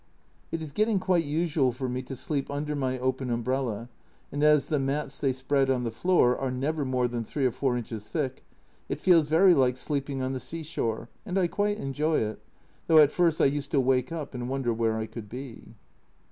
It is getting quite usual for me to sleep under my open umbrella, and as the mats they spread on the floor are never more than 3 or 4 inches thick, it feels very like sleeping on the sea shore, and I quite enjoy it, though at first I used to wake up and wonder where I could be.